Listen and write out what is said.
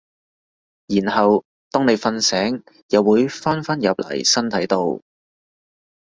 然後當你瞓醒又會返返入嚟身體度